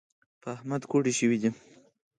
په احمد کوډي شوي دي .